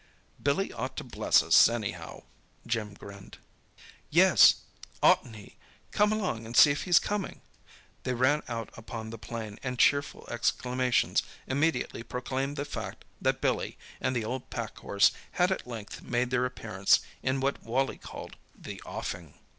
"Billy ought to bless us, anyhow," Jim grinned. "Yes, oughtn't he? Come along and see if he's coming." They ran out upon the plain, and cheerful exclamations immediately proclaimed the fact that Billy and the old packhorse had at length made their appearance in what Wally called the "offing."